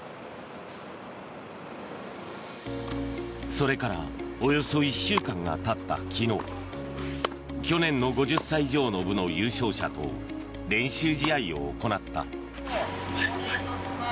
それからおよそ１週間がたった昨日去年の５０歳以上の部の優勝者と練習試合を行った。